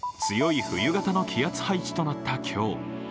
強い冬型の気圧配置となった今日。